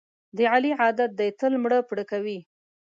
د علي عادت دی تل مړه پړه کوي.